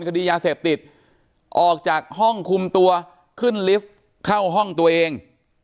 คดียาเสพติดออกจากห้องคุมตัวขึ้นลิฟต์เข้าห้องตัวเอง